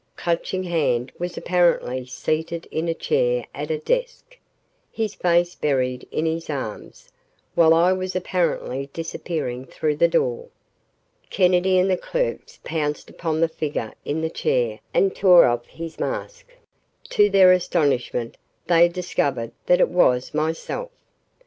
Clutching Hand was apparently seated in a chair at a desk, his face buried in his arms, while I was apparently disappearing through the door. Kennedy and the clerks pounced upon the figure in the chair and tore off his mask. To their astonishment, they discovered that it was myself!